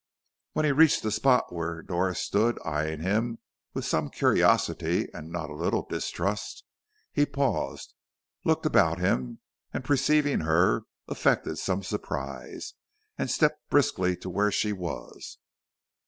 When he reached the spot where Doris stood eying him with some curiosity and not a little distrust, he paused, looked about him, and perceiving her, affected some surprise, and stepped briskly to where she was.